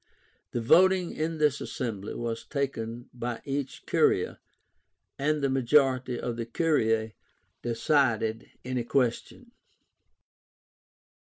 The voting in this assembly was taken by each curia, and the majority of the curiae decided any question.